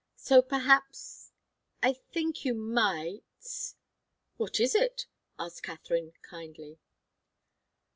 So perhaps I think you might " "What is it?" asked Katharine, kindly.